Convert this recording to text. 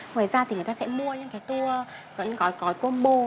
ngoài ra thì người ta sẽ mua những tour gói gói combo